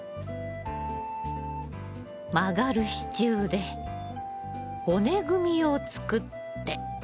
曲がる支柱で骨組みを作って。